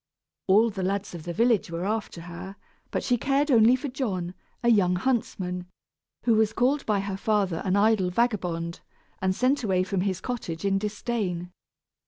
All the lads of the village were after her, but she cared only for John, a young huntsman, who was called by her father an idle vagabond, and sent away from his cottage in disdain.